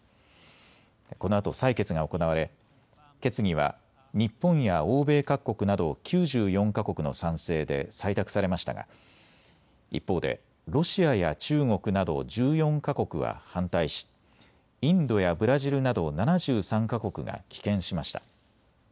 このあと採決が行われ決議は日本や欧米各国など９４か国の賛成で採択されましたが一方でロシアや中国など１４か国は反対しインドやブラジルなど７３か国が棄権しました。